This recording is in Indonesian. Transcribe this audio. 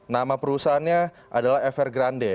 nama perusahaannya adalah evergrande